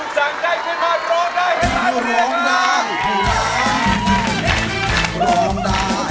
สวัสดีครับ